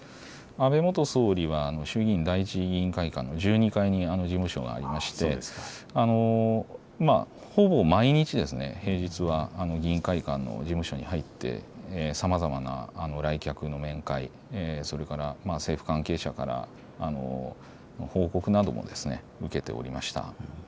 安倍元総理は衆議院会館の１２階に事務所がありまして、ほぼ毎日、平日は議員会館の事務所に入ってさまざまな来客の面会、それから政府関係者から報告なども受けておりました。